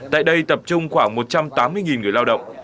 tại đây tập trung khoảng một trăm tám mươi người lao động